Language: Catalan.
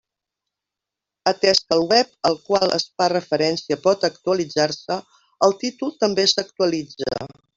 Atès que el web al qual es fa referència pot actualitzar-se, el títol també s'actualitza.